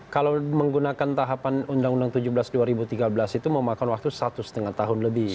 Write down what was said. kalau menggunakan tahapan undang undang tujuh belas dua ribu tiga belas itu memakan waktu satu lima tahun lebih